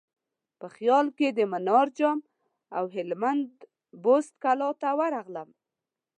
په خیال کې د منار جام او هلمند بست کلا ته ورغلم.